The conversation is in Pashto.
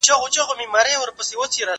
دا ليک له هغه ښه دی!؟